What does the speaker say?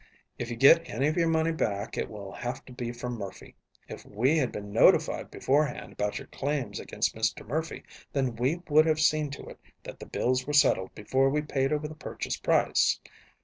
If you get any of your money back it will have to be from Murphy. If we had been notified beforehand about your claims against Mr. Murphy, then we would have seen to it that the bills were settled before we paid over the purchase price.